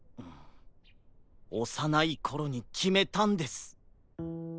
おさないころにきめたんです。